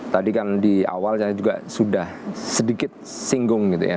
tadi kan di awal saya juga sudah sedikit singgung gitu ya